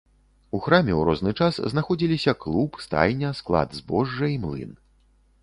У храме ў розны час знаходзіліся клуб, стайня, склад збожжа і млын.